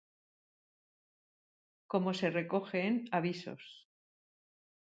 Como se recoge en "Avisos.